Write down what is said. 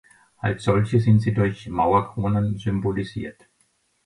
Als solche sind sie durch Mauerkronen symbolisiert.